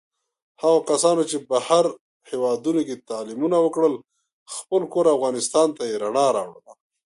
هغو کسانو چې بهر هېوادونوکې تعلیمونه وکړل، خپل کور افغانستان ته یې رڼا راوړله.